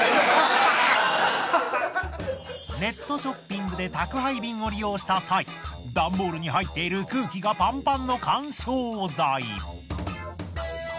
ネットショッピングで宅配便を利用した際段ボールに入っている空気がパンパンの緩衝材。